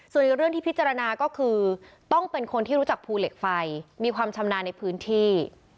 ส่วนอีกเรื่องที่พิจารณาก็คือต้องเป็นคนที่รู้จักภูเหล็กไฟมีความชำนาญในพื้นที่